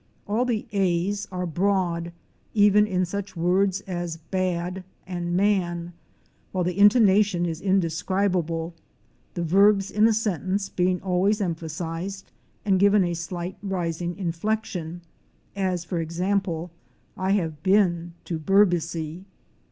All the a's are broad, even in such words as bad and man; while the intona tion is indescribable, the verbs in a sentence being always emphasized and given a slight rising inflection, as for ex ample, "I have been to Berbice."